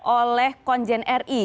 oleh konjen ri